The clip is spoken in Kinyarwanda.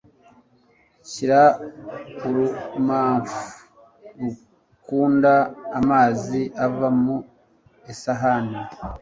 Shyira urumamfu rukunda amazi ava mu isahani